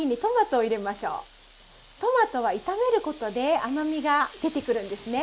トマトは炒めることで甘みが出てくるんですね。